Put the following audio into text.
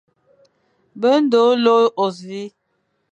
Be ndôghe lôr ôsṽi,